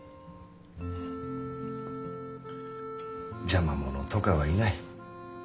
邪魔者とかはいない。